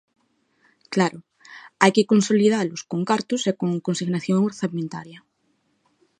Claro, hai que consolidalos con cartos e con consignación orzamentaria.